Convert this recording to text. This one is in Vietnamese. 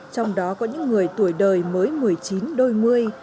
trong đó có những người tuổi đời mới một mươi chín đôi mươi